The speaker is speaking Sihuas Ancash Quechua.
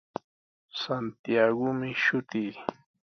Santiagomi shutii.